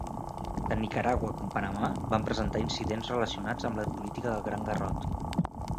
Tant Nicaragua com Panamà van presentar incidents relacionats amb la política del Gran Garrot.